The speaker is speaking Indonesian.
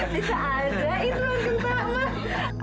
bisa aja itu rumah cipta